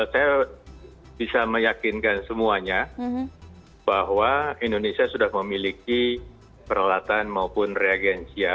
saya bisa meyakinkan semuanya bahwa indonesia sudah memiliki peralatan maupun reagensia